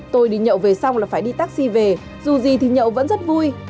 tôi đi nhậu về xong là phải đi taxi về dù gì thì nhậu vẫn rất vui